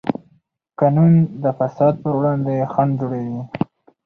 قانون د فساد پر وړاندې خنډ جوړوي.